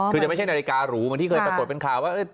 คือจะไม่ใช่นาฬิการูเหมือนที่เคยปรากฏเป็นข่าวว่า